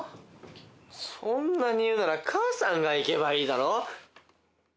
そんなに言うなら母さんが行けばいいだろ。